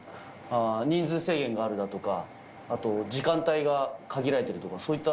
人数制限があるだとか、あと時間帯が限られたとか、そういった？